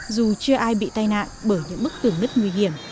dù chưa ai bị tai nạn bởi những bức tường nứt nguy hiểm